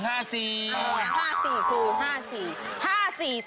เออ๕๔กู๕๔